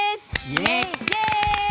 イエイ！